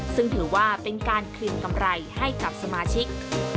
ซึ่งถือว่าเป็นการคืนกำไรให้กับสมาชิก